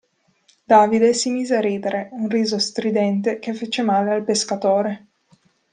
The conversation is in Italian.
Davide si mise a ridere, un riso stridente che fece male al pescatore.